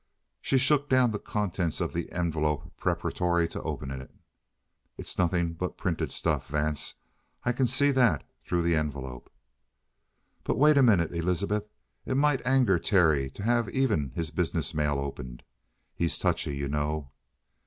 She shook down the contents of the envelope preparatory to opening it. "It's nothing but printed stuff, Vance. I can see that, through the envelope." "But wait a minute, Elizabeth. It might anger Terry to have even his business mail opened. He's touchy, you know."